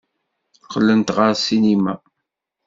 Qqlent ɣer ssinima.